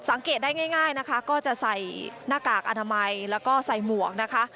สังเกตได้ง่ายนะคะก็จะใส่หน้ากากอนามัยแล้วก็ใส่หมวกนะคะ